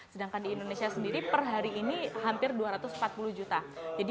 sedangkan di indonesia sendiri per hari ini hampir dua ratus empat puluh juta